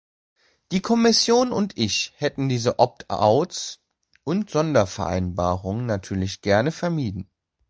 Die Kommission und ich hätten diese Opt-outs und Sondervereinbarungen natürlich gerne vermieden.